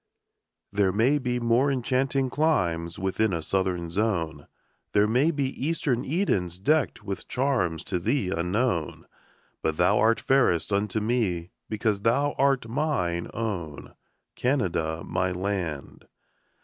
There may be more enchanting climes Within a southern zone; There may be eastern Edens deckt With charms to thee unknown; But thou art fairest unto me, Because thou art mine own, Canada, my land.